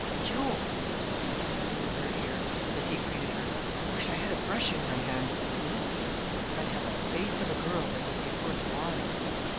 "Jove! Billy," he said low in her ear, as he greeted her, "I wish I had a brush in my hand this minute. I'd have a 'Face of a Girl' that would be worth while!"